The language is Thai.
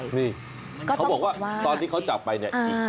นี่เขาบอกว่าตอนที่เขาจับไปเนี่ย